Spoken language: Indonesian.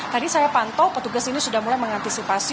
tadi saya pantau petugas ini sudah mulai mengantisipasi